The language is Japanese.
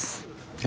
え？